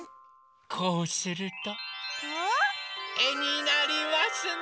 こうするとえになりますね。